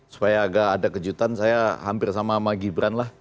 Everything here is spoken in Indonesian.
supaya agak ada kejutan saya hampir sama sama gibran lah